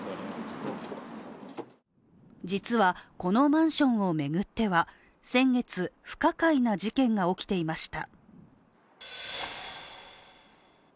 実は、このマンションを巡っては先月、不可解な事件が起きていました。